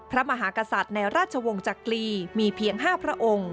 พระมหากษัตริย์ในราชวงศ์จักรีมีเพียง๕พระองค์